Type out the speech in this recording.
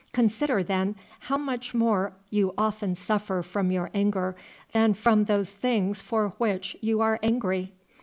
Consider, then, how much more you often suffer from your anger than from those things for which you are angry.